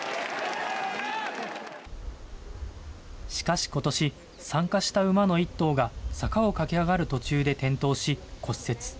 しかしことし、参加した馬の１頭が坂を駆け上がる途中で転倒し骨折。